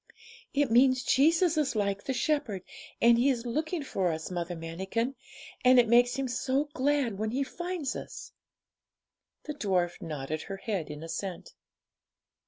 'It means Jesus is like the shepherd, and He is looking for us, Mother Manikin; and it makes Him so glad when He finds us.' The dwarf nodded her head in assent.